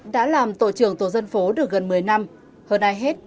đã làm tổ trưởng tổ dân phố được gần một mươi năm hơn ai hết